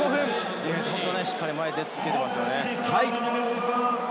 ディフェンスしっかり前に出続けていますよね。